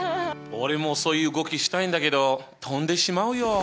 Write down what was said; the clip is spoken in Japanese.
俺もそういう動きしたいんだけど飛んでしまうよ。